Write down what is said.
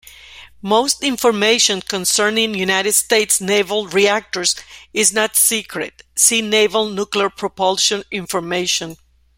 Most information concerning United States naval reactors is not secret-see Naval Nuclear Propulsion Information.